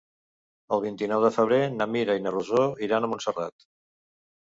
El vint-i-nou de febrer na Mira i na Rosó iran a Montserrat.